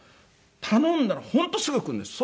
頼んだら本当すぐ来るんですよ。